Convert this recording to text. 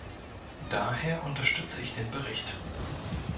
Daher unterstütze ich den Bericht.